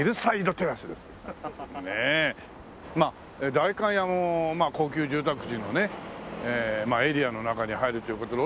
まあ代官山も高級住宅地のねええエリアの中に入るという事で。